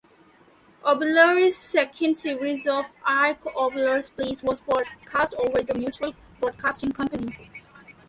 Oboler's second series of "Arch Oboler's Plays" was broadcast over the Mutual Broadcasting Company.